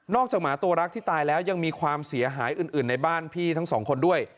จากหมาตัวรักที่ตายแล้วยังมีความเสียหายอื่นในบ้านพี่ทั้งสองคนด้วย